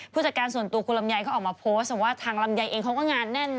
ผู้จัดการส่วนตัวคุณลำไยเขาออกมาโพสต์ว่าทางลำไยเองเขาก็งานแน่นนะ